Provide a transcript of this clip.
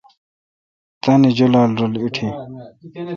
تانی جولال ایٹھی۔